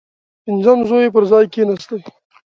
پنځم زوی یې پر ځای کښېنستی.